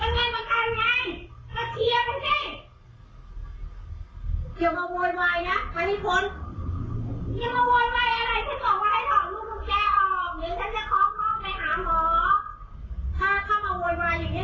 เธอต้องโวลย์ไมล์นะมานี่คน